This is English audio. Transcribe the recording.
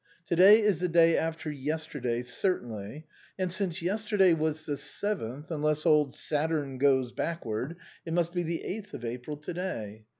To day is the day after yesterday, certainly; and since yesterday was the seventh, unless old Saturn goes backward, it must be the eighth of April to day.